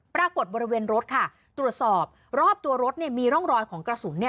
ปรากฏบริเวณรถค่ะตรวจสอบรอบตัวรถเนี่ยมีร่องรอยของกระสุนเนี่ย